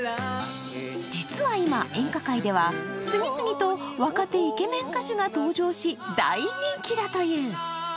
実は今、演歌界では次々と若手イケメン歌手が登場し、大人気だという。